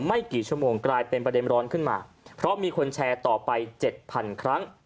ไม่กี่ชั่วโมงกลายเป็นประเด็นร้อนขึ้นมาเพราะมีคนแชร์ต่อไปเจ็ดพันครั้ง